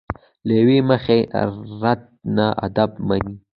له یوې مخې رد نه ادب مني.